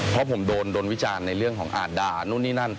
เพราะผมโดนวิจารณ์ในเรื่องของอาจด่านู่นนี่นั่น